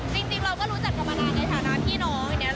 จริงเราก็รู้จักกันมานานในสถานะพี่น้อง